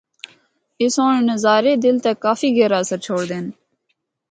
اے سہنڑ نظارے دل تے کافی گہرا اثر چھوڑدے ہن۔